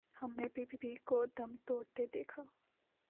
ہم نے P P P کو دم توڑتے دیکھا۔